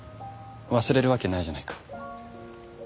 忘れるわけないじゃないか。